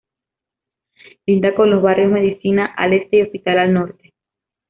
Linda con los barrios Medicina al este y Hospital al norte.